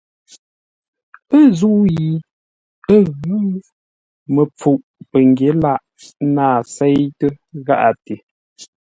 Ə̂ zə̂u yi ə́ ghʉ̌, məpfuʼ pəngyě lâʼ nâa séitə́ gháʼate.